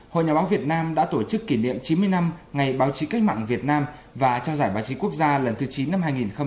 hội nhà báo việt nam đã tổ chức kỷ niệm chín mươi năm ngày báo chí cách mạng việt nam và trao giải báo chí quốc gia lần thứ chín năm hai nghìn một mươi chín